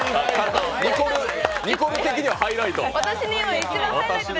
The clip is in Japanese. ニコル的にはハイライト。